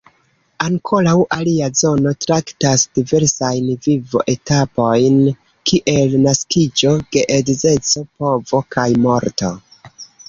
Ankoraŭ alia zono traktas diversajn vivo-etapojn kiel naskiĝo, geedzeco, povo kaj morto.